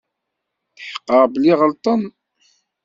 Tḥeqqeɣ belli ɣelṭen.